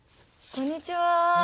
こんにちは。